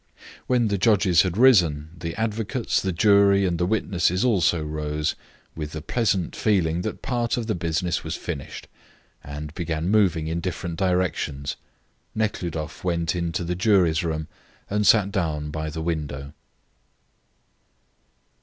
When the judges had risen, the advocates, the jury, and the witnesses also rose, with the pleasant feeling that part of the business was finished, and began moving in different directions. Nekhludoff went into the jury's room, and sat down by the window.